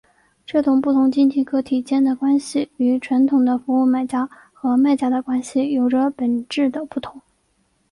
这种不同经济个体间的关系与传统的服务买家和卖家的关系有着本质的不同。